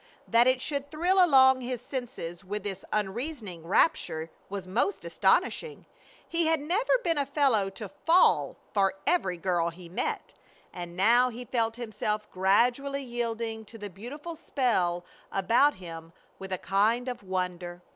That it should thrill along all his senses with this unreasoning rapture was most astonishing. He had never been a fellow to "fall" for every girl he met, and now he felt himself gradually yielding to the beautiful spell about him with a kind of wonder.